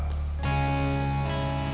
tapi udah burang kan